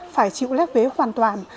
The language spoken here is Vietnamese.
phải chịu lép vế hoàn toàn